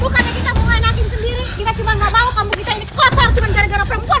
bukan kita mau main hakim sendiri kita cuma gak mau kamu gini kotor cuma gara gara perempuan